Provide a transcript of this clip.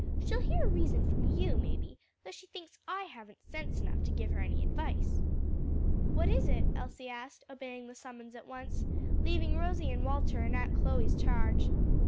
She'll hear reason from you, maybe, though she thinks I haven't sense enough to give her any advice." "What is it?" Elsie asked, obeying the summons at once, leaving Rosie and Walter in Aunt Chloe's charge.